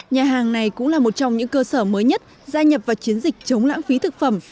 nhà hàng này cũng là một trong những cơ sở mới nhất gia nhập vào chiến dịch chống lãng phí thực phẩm